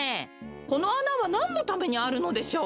このあなはなんのためにあるのでしょう？